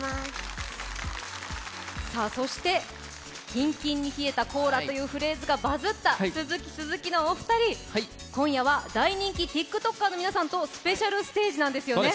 「キンキンに冷えたコーラ」というフレーズがバズった鈴木鈴木のお二人、今夜は大人気ＴｉｋＴｏｋｅｒの皆さんと一緒に、スペシャルステージなんですよね。